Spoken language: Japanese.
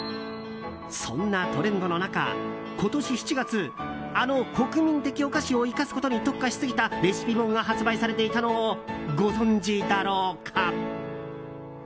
そんなトレンドの中、今年７月あの国民的お菓子を生かすことに特化しすぎたレシピ本が発売されていたのをご存じだろうか。